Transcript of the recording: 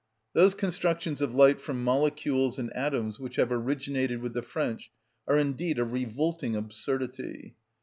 Those constructions of light from molecules and atoms which have originated with the French are indeed a revolting absurdity.